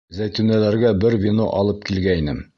Зәйтүнәләргә бер вино алып килгәйнем.